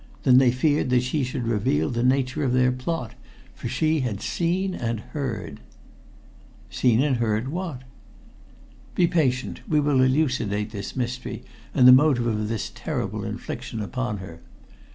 Then they feared that she should reveal the nature of their plot, for she had seen and heard." "Seen and heard what?" "Be patient; we will elucidate this mystery, and the motive of this terrible infliction upon her.